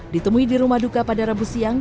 ditemui di rumah duka pada rabu siang